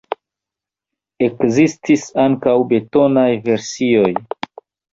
Ekzistis ankaŭ betonaj versioj.